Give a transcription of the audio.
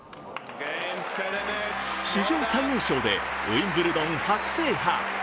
史上最年少でウィンブルドン初制覇。